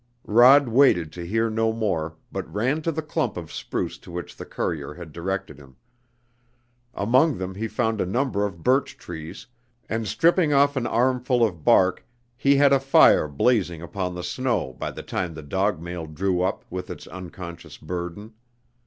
Rod waited to hear no more, but ran to the clump of spruce to which the courier had directed him. Among them he found a number of birch trees, and stripping off an armful of bark he had a fire blazing upon the snow by the time the dog mail drew up with its unconscious burden.